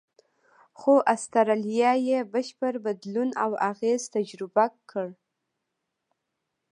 خو استرالیا یې بشپړ بدلون او اغېز تجربه کړ.